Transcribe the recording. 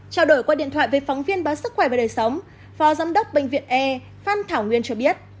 trao đổi qua điện thoại với phóng viên báo sức khỏe và đời sống phó giám đốc bệnh viện e phan thảo nguyên cho biết